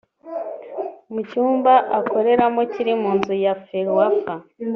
mu cyumba akoreramo kiri mu nzu ya Ferwafa